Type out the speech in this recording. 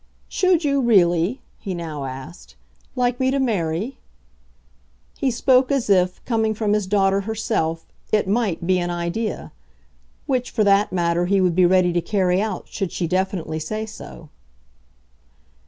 "Should you really," he now asked, "like me to marry?" He spoke as if, coming from his daughter herself, it MIGHT be an idea; which, for that matter, he would be ready to carry out should she definitely say so.